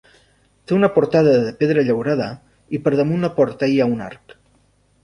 Té una portada de pedra llaurada i per damunt la porta hi ha un arc.